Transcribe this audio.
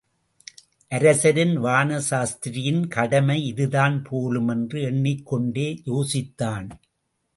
அரசரின் வானசாஸ்திரியின் கடமை இதுதான் போலும் என்று எண்ணிக்கொண்டே, யோசித்தான்.